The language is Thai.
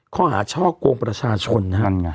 ข้อหาช่องโกงประชาชน